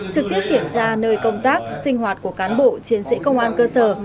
trực tiếp kiểm tra nơi công tác sinh hoạt của cán bộ chiến sĩ công an cơ sở